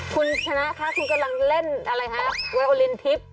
คุณชนะคะคุณกำลังเล่นอะไรฮะวิวอลินทริป